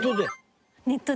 ネットで？